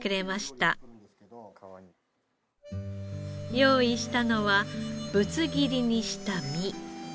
用意したのはぶつ切りにした身。